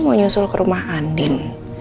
mau nyusul ke rumah andin